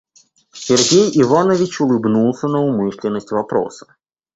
Сергей Иванович улыбнулся на умышленность вопроса.